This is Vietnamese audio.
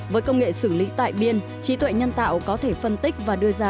với công nghệ xử lý tại biên trí tuệ nhân tạo có thể phân tích và đưa ra